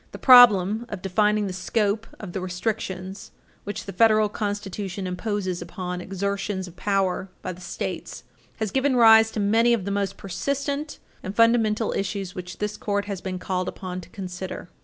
The problem of defining the scope of the restrictions which the Federal Constitution imposes upon exertions of power by the States has given rise to many of the most persistent and fundamental issues which this Court has been called upon to consider.